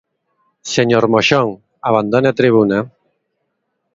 Señor Moxón, abandone a tribuna.